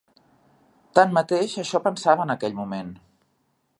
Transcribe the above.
Tanmateix això pensava en aquell moment!